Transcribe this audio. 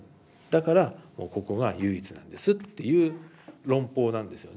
だからここが唯一なんですっていう論法なんですよね。